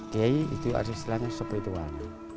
kiayi itu arti istilahnya spritual